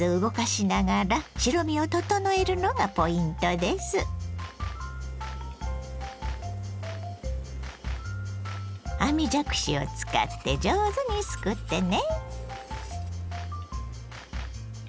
絶えず網じゃくしを使って上手にすくってね。